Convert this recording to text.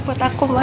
buat aku ma